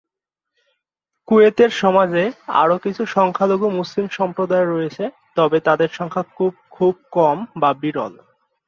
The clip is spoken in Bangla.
কুয়েতের সমাজে আরও কিছু সংখ্যালঘু মুসলিম সম্প্রদায় রয়েছে, তবে তাদের সংখ্যা খুব কম বা বিরল।